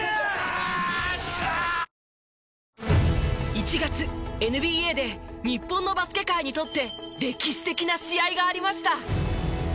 １月ＮＢＡで日本のバスケ界にとって歴史的な試合がありました。